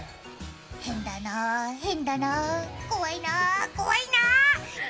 変だな、変だな、怖いな、怖いな。